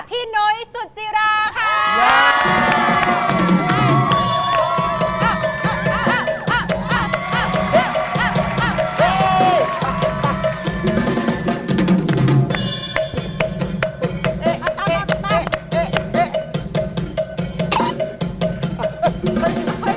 พี่น้อยสุจิราค่ะ